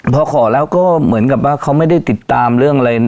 พอขอแล้วก็เหมือนกับว่าเขาไม่ได้ติดตามเรื่องอะไร